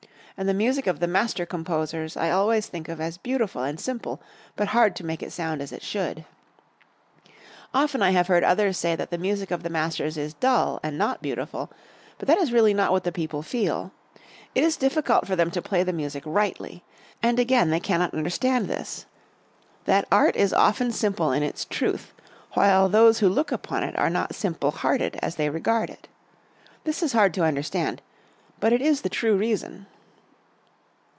And the music of the master composers I always think of as beautiful and simple but hard to make it sound as it should. Often I have heard others say that the music of the masters is dull, and not beautiful, but that is really not what the people feel. It is difficult for them to play the music rightly. And again they cannot understand this: that art is often simple in, its truth, while those who look upon it are not! simple hearted, as they regard it. This is hard to understand, but it is the true reason."